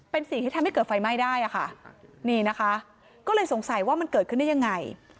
เป็นสิ่งที่ทำให้เกิดไฟไหม้ได้อะค่ะนี่นะคะก็เลยสงสัยว่ามันเกิดขึ้นได้ยังไง